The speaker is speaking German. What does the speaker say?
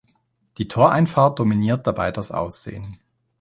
Die Toreinfahrt dominiert dabei das Aussehen.